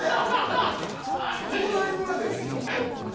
「兄弟船」ですよ。